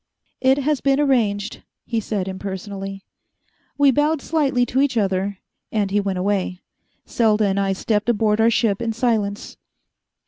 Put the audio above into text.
"It has been arranged," he said impersonally. We bowed slightly to each other, and he went away. Selda and I stepped aboard our ship in silence.